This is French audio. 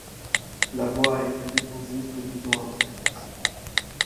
La voie a été déposée peu de temps après.